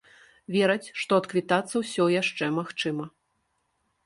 Вераць, што адквітацца ўсё яшчэ магчыма.